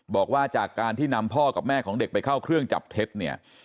บอกว่าจากการที่นำพ่อกับแม่ของเด็กไปเข้าเครื่องจับเท็จเนี่ย